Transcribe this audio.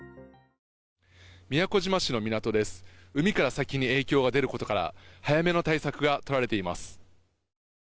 宮古島市の港です、海から先に影響が出ることから早めの対策が取られています。